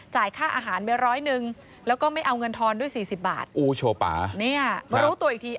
ค่าอาหารไปร้อยหนึ่งแล้วก็ไม่เอาเงินทอนด้วยสี่สิบบาทโอ้โชว์ป่าเนี่ยมารู้ตัวอีกที